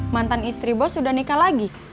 mantan istri bos sudah nikah lagi